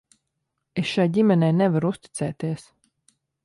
Es šai ģimenei nevaru uzticēties.